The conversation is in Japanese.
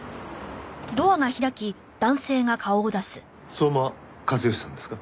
相馬和義さんですか？